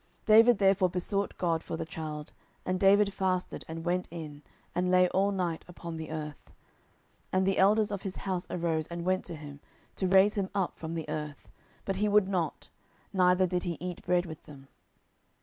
10:012:016 David therefore besought God for the child; and David fasted, and went in, and lay all night upon the earth. 10:012:017 And the elders of his house arose, and went to him, to raise him up from the earth: but he would not, neither did he eat bread with them.